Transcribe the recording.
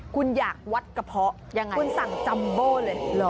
คุณอยากวัดกระเพาะยังไงล่ะนะจำโบกนนี่